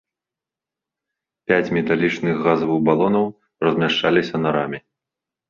Пяць металічных газавых балонаў размяшчаліся на раме.